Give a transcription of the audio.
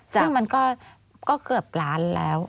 ซึ่งมันก็เกือบล้านแล้ว